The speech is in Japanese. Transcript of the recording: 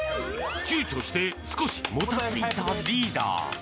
躊躇して少しもたついたリーダー。